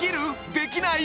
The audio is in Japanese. できない？